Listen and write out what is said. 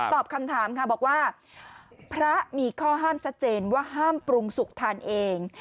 ตอบคำถามค่ะบอกว่าพระมีข้อห้ามชัดเจนว่าห้ามปรุงสุกทานเอง